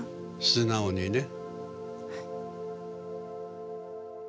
素直にね。